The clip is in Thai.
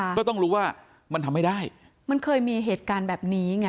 ก็ต้องรู้ว่ามันทำไม่ได้มันเคยมีเหตุการณ์แบบนี้ไง